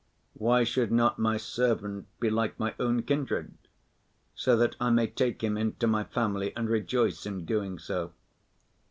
Why should not my servant be like my own kindred, so that I may take him into my family and rejoice in doing so?